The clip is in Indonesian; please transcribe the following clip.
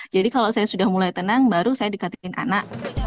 kalau saya sudah mulai tenang baru saya dekatin anak